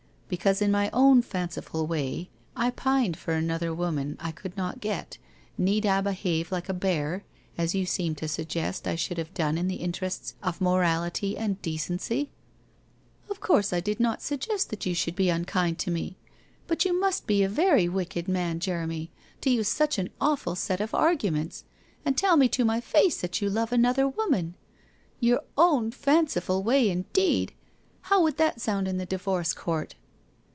Because in my own fanciful way I pined for another woman I could not get, need I behave like a bear, if you seem to suggest I should have done in the interests of morality and decency?' • of course I did not suggest that you should be un kind to me] But you must be a very wicked man, 22% WHITE ROSE OF WEARY LEAF Jeremy, to use such an awful set of arguments, and tell me to my face that you love another woman. Your own fanciful way indeed ! How would that sound in the divorce court